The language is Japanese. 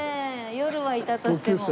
夜はいたとしても。